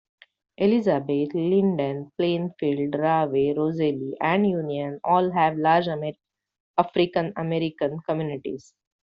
Elizabeth, Linden, Plainfield, Rahway, Roselle and Union all have large African American communities.